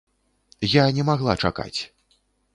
Я не магла чакаць.